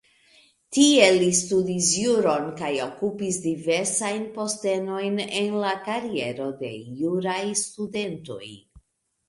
Tie li studis juron kaj okupis diversajn postenojn en la kariero de juraj studentoj.